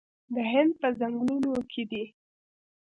د هند په ځنګلونو کې دي